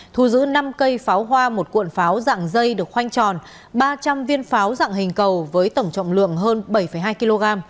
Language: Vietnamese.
thu giữ năm cây pháo hoa một cuộn pháo dạng dây được khoanh tròn ba trăm linh viên pháo dạng hình cầu với tổng trọng lượng hơn bảy hai kg